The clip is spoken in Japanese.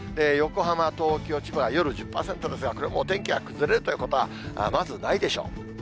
横浜、東京、千葉は夜１０％ですが、これもお天気が崩れるということはまずないでしょう。